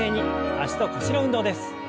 脚と腰の運動です。